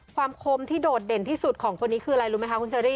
คมที่โดดเด่นที่สุดของคนนี้คืออะไรรู้ไหมคะคุณเชอรี่